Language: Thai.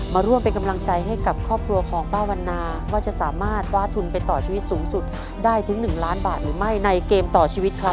มาร่วมเป็นกำลังใจให้กับครอบครัวของป้าวันนาว่าจะสามารถคว้าทุนไปต่อชีวิตสูงสุดได้ถึง๑ล้านบาทหรือไม่ในเกมต่อชีวิตครับ